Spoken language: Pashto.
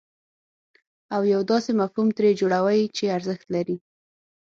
او یو داسې مفهوم ترې جوړوئ چې ارزښت لري.